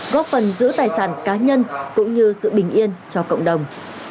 góp phần giữ tài sản cá nhân cũng như sự bình yên cho cộng đồng